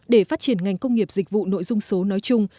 để phát triển ngành công nghiệp dịch vụ nội dung số nói chung